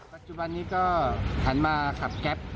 ปัจจุบันนี้ก็หันมาขับแก๊ป